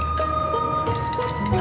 terus aku gimana